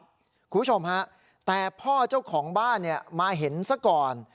คุณผู้ชมฮะแต่พ่อเจ้าของบ้านมาเห็นซะก่อน